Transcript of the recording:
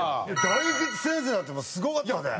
大吉先生なんてすごかったで。